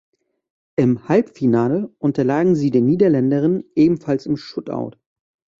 Im Halbfinale unterlagen sie den Niederländerinnen ebenfalls im Shootout.